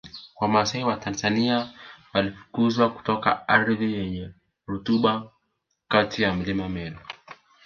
Wamasai wa Tanzania walifukuzwa kutoka ardhi yenye rutuba kati ya Mlima Meru